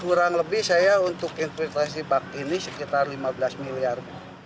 kurang lebih saya untuk infiltrasi park ini sekitar rp lima belas miliar